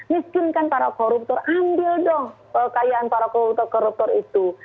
miskinkan para koruptor ambil dong kekayaan para koruptor koruptor itu